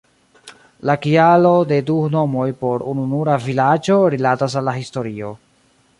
La kialo de du nomoj por ununura vilaĝo rilatas al la historio.